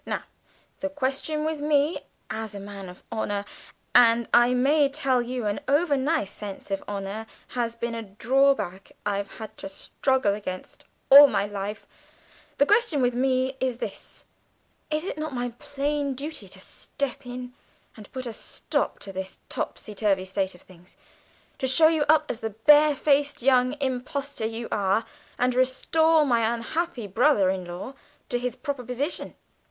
Now, the question with me, as a man of honour (and I may tell you an over nice sense of honour has been a drawback I've had to struggle against all my life), the question with me is this: Is it not my plain duty to step in and put a stop to this topsy turvy state of things, to show you up as the barefaced young impostor you are, and restore my unhappy brother in law to his proper position?"